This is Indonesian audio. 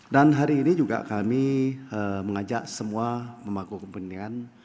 dan hari ini juga kami mengajak semua pemangku kepentingan